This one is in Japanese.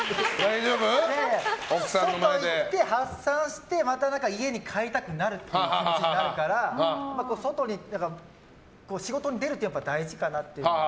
外に行って発散してまた家に帰りたくなるっていう気持ちになるから外に仕事に出るってやっぱり大事かなって。